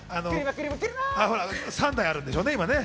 ほら、３台あるんでしょうね。